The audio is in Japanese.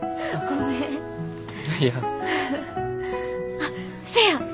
あっせや